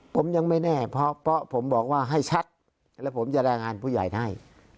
ผมยังไม่แน่เพราะผมบอกว่าให้ชัดแล้วผมจะแรงงานผู้ใหญ่ได้